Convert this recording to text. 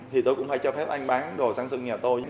thì tôi cũng phải cho phép anh bán đồ sang sân nhà tôi